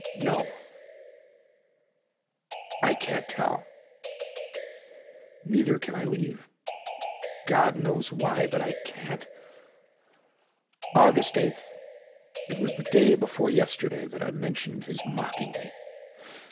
No, I can't tell. Neither can I leave. God knows why, but I can't. Aug. 8th. It was the day before yesterday that I mentioned his mocking me.